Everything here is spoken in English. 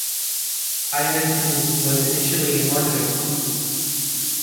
Ireton was initially a moderate.